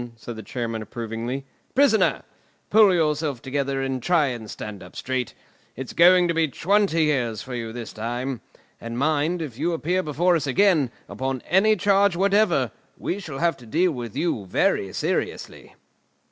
said the Chairman approvingly. "Prisoner! Pull yourself together and try and stand up straight. It's going to be twenty years for you this time. And mind, if you appear before us again, upon any charge whatever, we shall have to deal with you very seriously!"